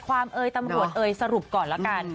เอยตำรวจเอ่ยสรุปก่อนละกัน